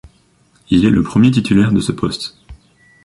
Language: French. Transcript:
Il est le premier titulaire de ce poste.